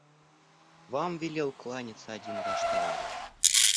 Вам велел кланяться один ваш товарищ